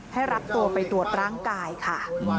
ให้รับตัวไปตรวจร่างกายค่ะ